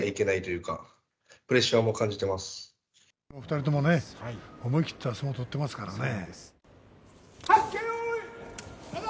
２人ともね思い切った相撲、取ってますからね。